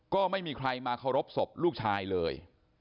ก็ไม่มีใครมาเคารพศพลูกชายเลย